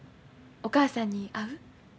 お母さんに会う？